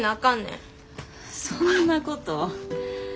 そんなこと。